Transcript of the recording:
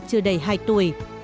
chưa đầy hai tuổi